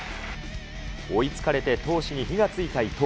追いつかれて、闘志に火がついた伊藤。